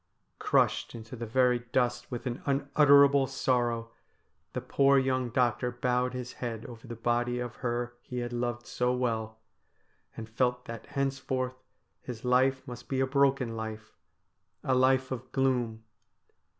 Crushed into the very dust with an unutterable sorrow, the poor young doctor bowed his head over the body of her he had loved so well, and felt that henceforth his life must be a broken life, a life of gloom.